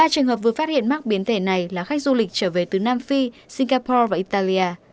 ba trường hợp vừa phát hiện mắc biến thể này là khách du lịch trở về từ nam phi singapore và italia